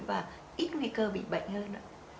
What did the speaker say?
và ít nguy cơ bị bệnh hơn